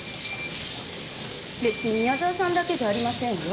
別に宮澤さんだけじゃありませんよ。